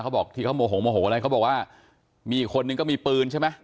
เขาบอกที่เขาโมโหโมโหอะไรเขาบอกว่ามีอีกคนนึงก็มีปืนใช่ไหม